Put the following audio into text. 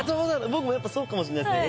僕もそうかもしんないですね